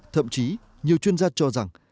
thậm chí nhiều chuyên gia cho rằng